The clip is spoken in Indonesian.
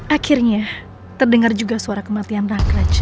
akhirnya terdengar juga suara kematian rakraj